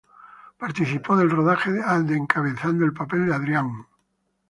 Participó del rodaje de encabezando el papel de Adrián.